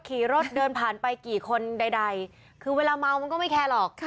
ขี่รถเดินผ่านไปกี่คนใดคือเวลาเมามันก็ไม่แคร์หรอก